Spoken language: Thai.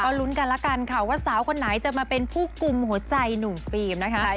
ลุ้นกันละกันค่ะว่าสาวคนไหนจะมาเป็นผู้กลุ่มหัวใจหนุ่มฟิล์มนะคะ